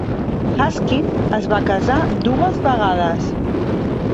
Haskin es va casar dues vegades.